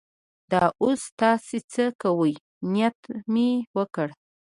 دا اوس تاسې څه کوئ؟ نیت مې وکړ.